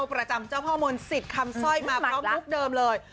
ประจำเจ้าพ่อมนต์สิทธิ์คำสร้อยมาพร้อมมุกเดิมเลย